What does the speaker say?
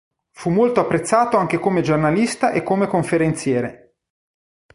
Fu molto apprezzato anche come giornalista e come conferenziere.